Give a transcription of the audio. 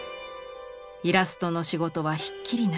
イラストの仕事はひっきりなし。